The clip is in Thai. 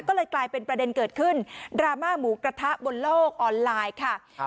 ก็เลยกลายเป็นประเด็นเกิดขึ้นดราม่าหมูกระทะบนโลกออนไลน์ค่ะ